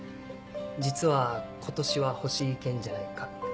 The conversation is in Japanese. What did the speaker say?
実は今年は星行けんじゃないかって。